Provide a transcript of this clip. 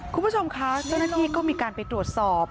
คุณผู้ชมคะเจ้าหน้าที่ก็มีการไปตรวจสอบ